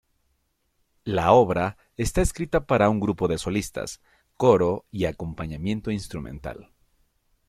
La obra está escrita para un grupo de solistas, coro y acompañamiento instrumental.